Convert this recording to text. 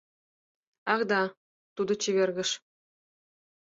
— Ах, да... — тудо чевергыш.